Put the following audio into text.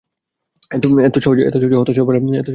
এত সহজে হতাশ হওয়ার পাত্রী আমি নই।